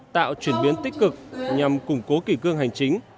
tạo chuyển biến tích cực nhằm củng cố kỷ cương hành chính